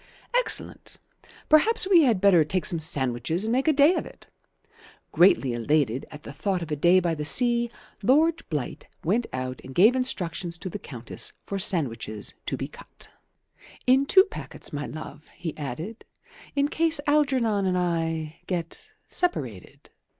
"Excellent. Perhaps we had better take some sandwiches and make a day of it." Greatly elated at the thought of a day by the sea, Lord Blight went out and gave instructions to the Countess for sandwiches to be cut. "In two packets, my love," he added, "in case Algernon and I get separated."